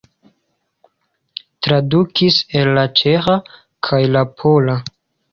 Tradukis el la ĉeĥa kaj la pola.